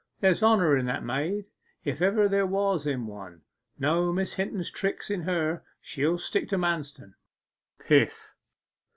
'There's honour in that maid, if ever there was in one. No Miss Hinton's tricks in her. She'll stick to Manston.' 'Pifh!